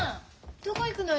どこ行くのよ？